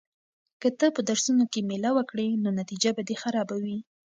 که ته په درسونو کې مېله وکړې نو نتیجه به دې خرابه وي.